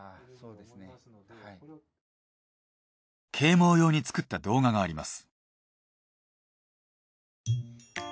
啓蒙用に作った動画があります。